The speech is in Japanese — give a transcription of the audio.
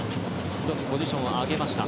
１つポジションを上げました。